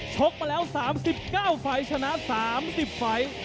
ชกมาแล้ว๓๙ไฟล์ชนะ๓๐ไฟล์